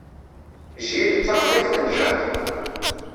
Jill d taxḍibt n Jack.